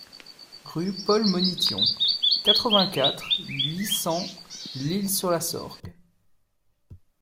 Rue Paul Monition, quatre-vingt-quatre, huit cents L'Isle-sur-la-Sorgue